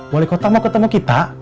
wali kota mau ketemu kita